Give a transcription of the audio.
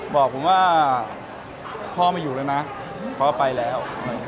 บอกผมว่าพ่อไม่อยู่แล้วนะพ่อไปแล้ว